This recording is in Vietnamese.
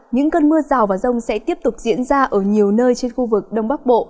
những cơn mưa rào và rông sẽ tiếp tục diễn ra ở nhiều nơi trên khu vực đông bắc bộ